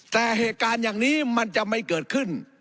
แต่เหตุการณ์อย่างนี้มันจะไม่เกิดขึ้น